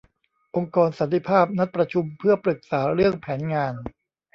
องค์กรสันติภาพนัดประชุมเพื่อปรึกษาเรื่องแผนงาน